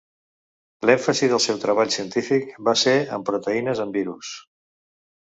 L'èmfasi del seu treball científic va ser en proteïnes en virus.